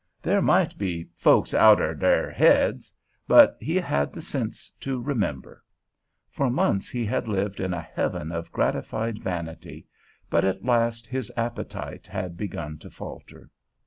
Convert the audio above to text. There might be "folks outer their haids," but he had the sense to remember. For months he had lived in a heaven of gratified vanity, but at last his appetite had begun to falter.